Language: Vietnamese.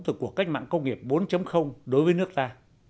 từ cuộc cách mạng công nghiệp bốn đối với nước ta